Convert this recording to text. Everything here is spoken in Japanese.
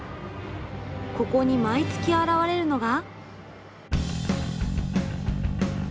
ここに毎月現れるのが。